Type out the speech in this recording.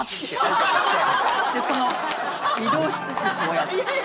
でその移動しつつこうやって。